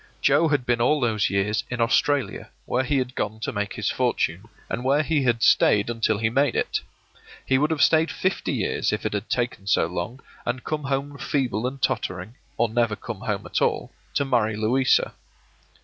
Joe had been all those years in Australia, where he had gone to make his fortune, and where he had stayed until he made it. He would have stayed fifty years if it had taken so long, and come home feeble and tottering, or never come home at all, to marry Louisa.